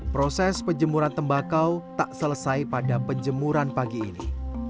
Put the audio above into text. proses penjemuran tembakau tak selesai pada penjemuran pagi ini